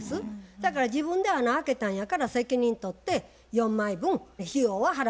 だから自分で穴開けたんやから責任取って４枚分費用は払わなあかんと思います。